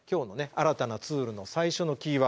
新たなツールの最初のキーワード。